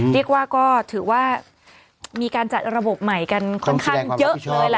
เรียกว่าก็ถือว่ามีการจัดระบบใหม่กันค่อนข้างเยอะเลยล่ะ